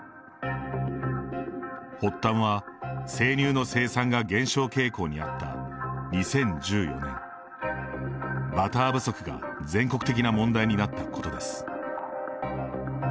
発端は、生乳の生産が減少傾向にあった２０１４年バター不足が全国的な問題になったことです。